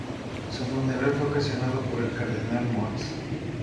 Su funeral fue oficiado por el cardenal Mons.